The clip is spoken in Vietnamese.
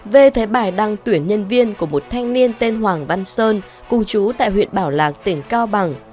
về thấy bài đăng tuyển nhân viên của một thanh niên tên hoàng văn sơn cùng chú tại huyện bảo lạc tỉnh cao bằng